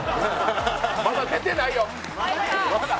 まだ出てないよ！